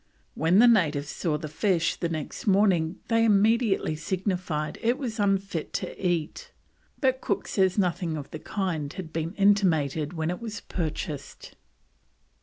When the natives saw the fish the next morning they immediately signified it was unfit to eat, but Cook says nothing of the kind had been intimated when it was purchased.